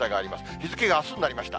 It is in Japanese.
日付があすになりました。